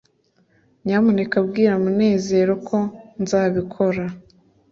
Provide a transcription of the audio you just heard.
nyamuneka bwira munezero ko nzabikora